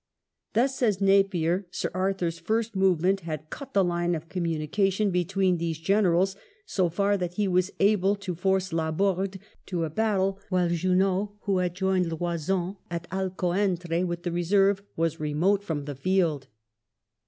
Thus, says Napier, " Sir Arthur's first movement had cut the line of commimication " between these Generals, so far that he was able to force Laborde to a battle, while Junot, who had joined Loison at Alcoentre with the reserve, was remote from the field.